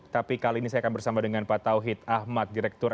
tapi terima kasih juga series ini sudah seukurnya